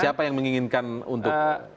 siapa yang menginginkan untuk